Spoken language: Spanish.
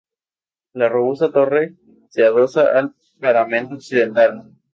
La robusta torre se adosa al paramento occidental.